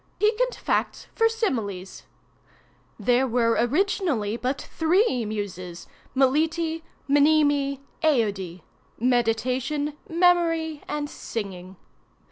"PIQUANT FACTS FOR SIMILES. 'There were originally but three Muses—Melete, Mneme, Aœde—meditation, memory, and singing.